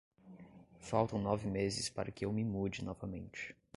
Faltam nove meses para que eu me mude novamente.